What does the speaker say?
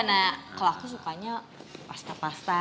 nah kelaku sukanya pasta pasta